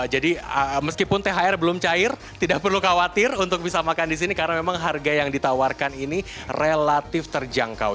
jadi meskipun thr belum cair tidak perlu khawatir untuk bisa makan di sini karena memang harga yang ditawarkan ini relatif terjangkau